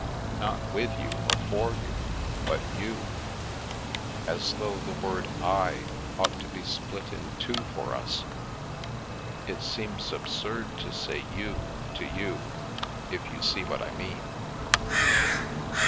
Not with you or for you, but you. As though the word ' I ' ought to be split in 273 The Milky Way two for us. It seems absurd to say ' you ' to you, if you see what I mean."